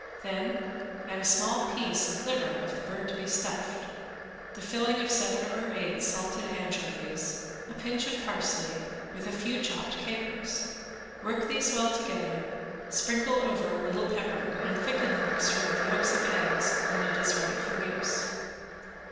Then add a small piece of liver of the bird to be stuffed. The filling of seven or eight salted anchovies, a pinch of parsley, with a few chopped capers. Work these well together, sprinkle over a little pepper and thicken the mixture with yolks of eggs, when it is ready for use.